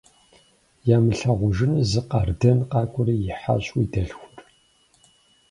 Ямылъагъужыну зы къардэн къакӀуэри, ихьащ уи дэлъхур.